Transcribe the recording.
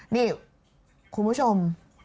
นี่คุณผู้ชม